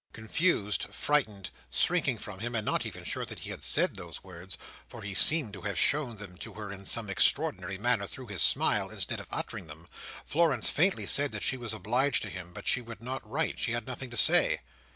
Confused, frightened, shrinking from him, and not even sure that he had said those words, for he seemed to have shown them to her in some extraordinary manner through his smile, instead of uttering them, Florence faintly said that she was obliged to him, but she would not write; she had nothing to say.